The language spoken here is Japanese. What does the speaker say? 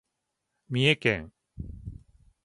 三重県